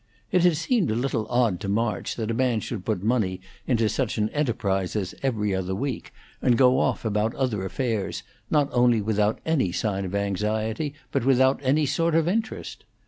It had seemed a little odd to March that a man should put money into such an enterprise as 'Every Other Week' and go off about other affairs, not only without any sign of anxiety, but without any sort of interest.